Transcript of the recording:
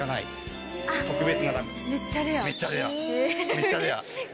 めっちゃレア？